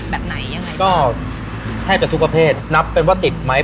แบบไหนยังไงก็แทบจะทุกประเภทนับเป็นว่าติดไหม